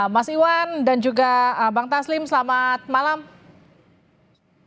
mas iwan dan juga bang taslim selamat malam